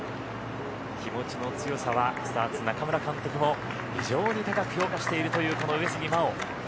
気持ちの強さはスターツ・中村監督も非常に高く評価しているというこの上杉真穂。